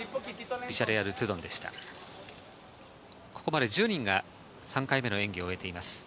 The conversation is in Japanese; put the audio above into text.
ここまで１０人が３回目の演技を終えています。